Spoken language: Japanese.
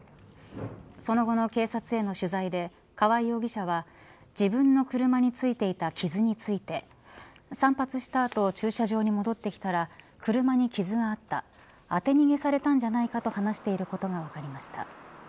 その後の警察への取材で川合容疑者は自分の車についていた傷について散髪した後駐車場に戻ってきたら車に傷があった当て逃げされたんじゃないかと話していることが分かりました。